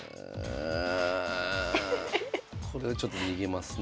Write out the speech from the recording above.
これをちょっと逃げますね。